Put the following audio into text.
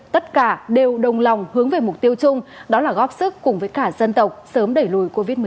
tất cả đều đồng lòng hướng về mục tiêu chung đó là góp sức cùng với cả dân tộc sớm đẩy lùi covid một mươi chín